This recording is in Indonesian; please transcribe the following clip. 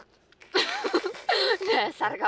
oke lemparlah tujuan